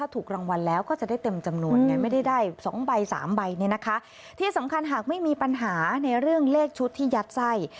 ที่สำคัญหากไม่มีปัญหาในเรื่องเลขชุดที่ยัดไส้